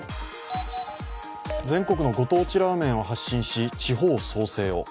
全国のご当地ラーメンを発信し地方創生を。